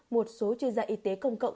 một số chuyên gia y tế công cộng